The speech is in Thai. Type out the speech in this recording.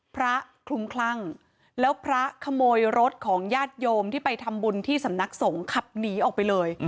คลุมคลั่งแล้วพระขโมยรถของญาติโยมที่ไปทำบุญที่สำนักสงฆ์ขับหนีออกไปเลย